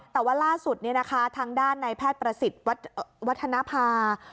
แต่ว่าล่าสุดทางด้านในแพทย์ประสิทธิ์วัฒนภา